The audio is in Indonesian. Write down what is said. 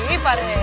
iya pak rete